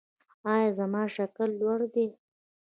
ایا زما شکر لوړ دی؟